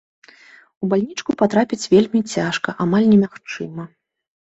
У бальнічку патрапіць вельмі цяжка, амаль немагчыма.